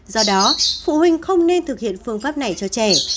do đó phụ huynh không nên thực hiện phương pháp này cho trẻ